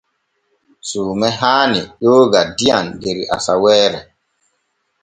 Suume haani jooga diyam der asaweere.